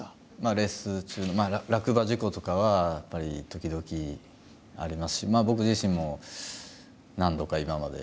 レース中落馬事故とかはやっぱり時々ありますし僕自身も何度か今まで。